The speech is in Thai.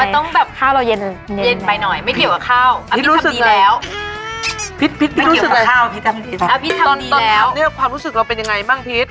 ตอนนี้ความรู้สึกเราเป็นยังไงบ้างพิษ